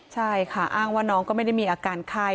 ใช่ค่ะอ้างว่าน้องก็ไม่ได้มีอาการไข้